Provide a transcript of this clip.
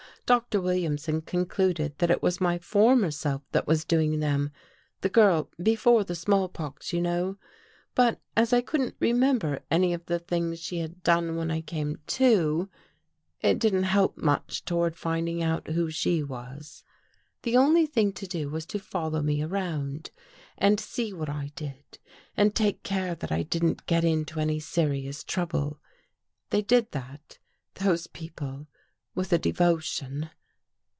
Doctor Williamson concluded that it was my former self that was doing them, the girl — be fore the small pox, you know. But as I couldn't remember any of the things she had done when I came to, it didn't help much toward finding out who she was. The only thing to do was to follow me around and see what I did and take care that I didn't get into any serious trouble. They did that, those people, with a devotion